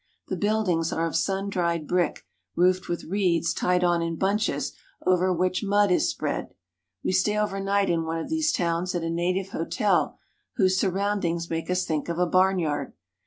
The buildings are of sun dried brick, roofed with reeds tied on in bunches over which mud is spread. We stay over night in one of these towns at a native hotel whose surroundings make us think of a barn yard.